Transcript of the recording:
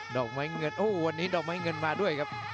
อกไม้เงินโอ้วันนี้ดอกไม้เงินมาด้วยครับ